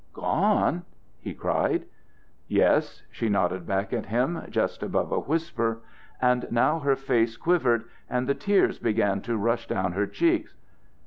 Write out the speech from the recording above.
"Gone!" he cried. "Yes," she nodded back at him, just above a whisper; and now her face quivered, and the tears began to rush down her cheeks.